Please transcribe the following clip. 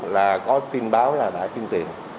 là có tin báo là đã chuyên tiền